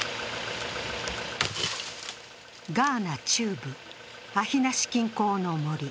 ガーナ中部、アヒナシ近郊の森。